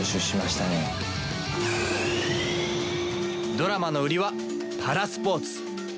ドラマの売りはパラスポーツ。